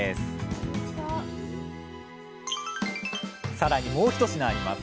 さらにもう一品あります。